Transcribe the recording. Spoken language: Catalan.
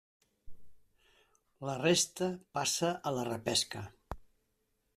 La resta passa a la repesca.